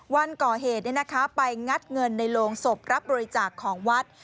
วันก่อเหตุไปงัดเงินในโรงศพรับบริจาคของวัด